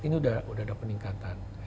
ini sudah ada peningkatan